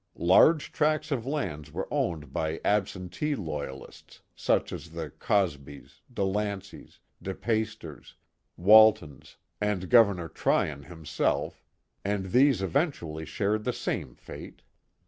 Large tracts of land were owned by ab sentee Loyalists, such as the Cosbys, Delanceys, De Paysters, WaJ tons, and Gov. Tryon himself, and these eventually shared the same fate.